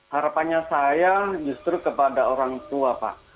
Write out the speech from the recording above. harapannya saya justru kepada orang tua pak